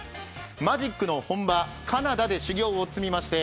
マジックの本場・カナダで修行を積みまして